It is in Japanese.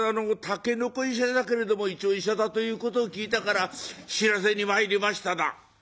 たけのこ医者だけれども一応医者だということを聞いたから知らせに参りましただ」。